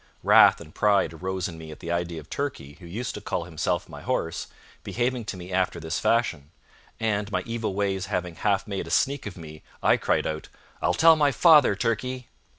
Wrath and pride arose in me at the idea of Turkey, who used to call himself my horse, behaving to me after this fashion; and, my evil ways having half made a sneak of me, I cried out: "I'll tell my father, Turkey."